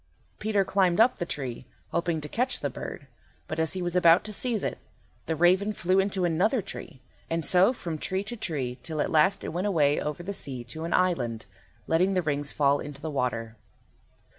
Peter climbed up the tree, hoping to catch the bird; but as he was about to seize it, the raven flew into another tree, and so from tree to tree till at last it went away over the sea to an island, letting the rings fall into the water.